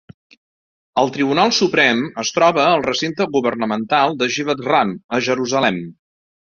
El Tribunal Suprem es troba al recinte governamental de Givat Ram a Jerusalem.